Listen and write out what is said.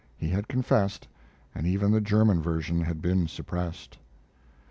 He had confessed, and even the German version had been suppressed.